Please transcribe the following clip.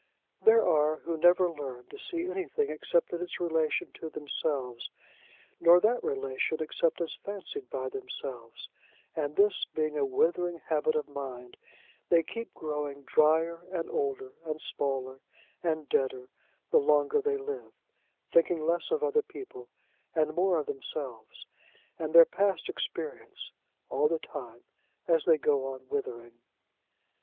There are who never learn to see anything except in its relation to themselves, nor that relation except as fancied by themselves; and, this being a withering habit of mind, they keep growing drier, and older, and smaller, and deader, the longer they live thinking less of other people, and more of themselves and their past experience, all the time as they go on withering.